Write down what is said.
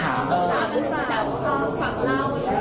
เราเป็นคนเทะขาว